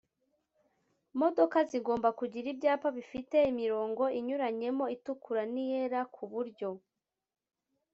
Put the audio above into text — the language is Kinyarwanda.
modoka zigomba kugira ibyapa bifite imirongo inyuranyemo itukura n iyera ku buryo